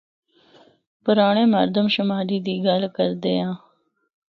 پرانڑے مردم شماری دی گل کردے آں۔